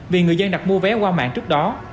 vì người dân đặt mua vé qua mạng trước đó